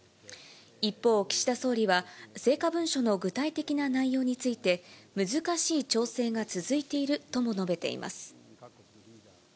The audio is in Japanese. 一方、岸田総理は、成果文書の具体的な内容について、難しい調整が続いているとも述べています。